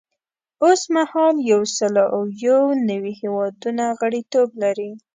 اوس مهال یو سل او یو نوي هیوادونه غړیتوب لري.